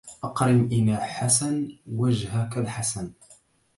أقرِن إلى حسنِ وجهك الحسنِ